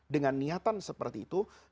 dengan niatan seperti itu